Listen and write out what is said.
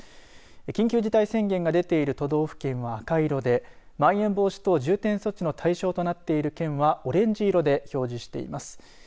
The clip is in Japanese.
緊急事態宣言が出ている都道府県は赤色でまん延防止等重点措置の対象となっている県はオレンジ色で表示しています。